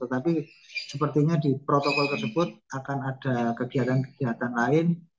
tapi sepertinya di protokol tersebut akan ada kegiatan kegiatan lain